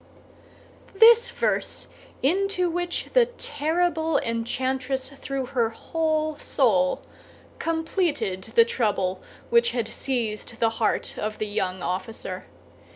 This verse, into which the terrible enchantress threw her whole soul, completed the trouble which had seized the heart of the young officer.